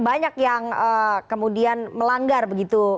banyak yang kemudian melanggar begitu